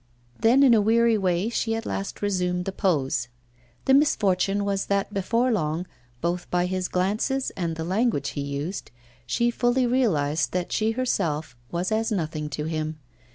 Then, in a weary way, she at last resumed the pose. The misfortune was that before long, both by his glances and the language he used, she fully realised that she herself was as nothing to him.